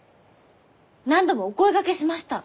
何度もお声がけしました。